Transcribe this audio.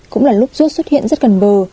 cũng là lúc ruốc xuất hiện rất gần bờ